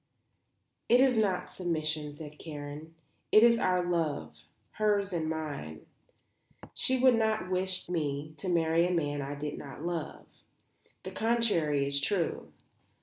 "It is not submission," said Karen. "It is our love, hers and mine. She would not wish me to marry a man I did not love. The contrary is true.